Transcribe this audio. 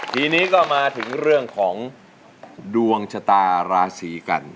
ทีนี้ก็มาถึงเรื่องของดวงชะตาราศีกัน